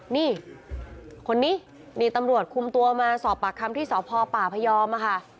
นี่คนนี้นี่ตำรวจคุมตัวมาสอบปากคำที่สพปพยอมค่ะ